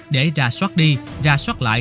để ra soát đi ra soát lại